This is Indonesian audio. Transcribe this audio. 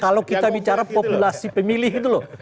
kalau kita bicara populasi pemilih gitu loh